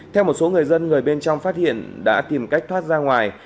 theo một số người dân người bên trong phát hiện đã tìm cách thoát ra ngoài